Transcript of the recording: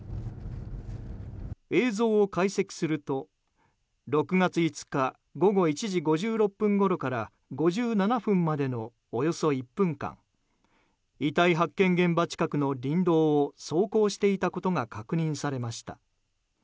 映像を解析すると６月５日午後１時５６分ごろから５７分までのおよそ１分間遺体発見現場近くの林道を走行していたことが確認されました。